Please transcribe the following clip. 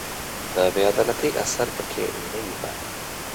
د بې عدالتۍ اثر په کې نه وي پاتې